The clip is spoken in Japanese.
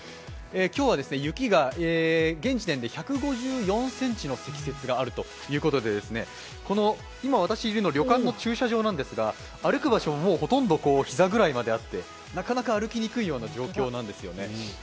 今日は雪が現時点で１５４ｃｍの積雪があるということで今、私がいるのは旅館の駐車場なんですが、歩く場所も膝ぐらいまであってなかなか歩きにくいような状況なんですね。